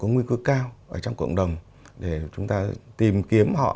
nguy cơ cao trong cộng đồng để chúng ta tìm kiếm họ